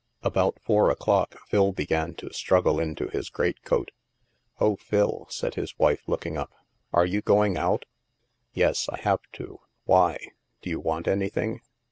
About four o'clock, Phil began to struggle into his great coat. " Oh, Phil," said his wife, Ipoking up, " are you going out?" " Yes, I have to. Why ? Do you want any thing?"